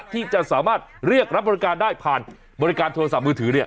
ที่จะสามารถเรียกรับบริการได้ผ่านบริการโทรศัพท์มือถือ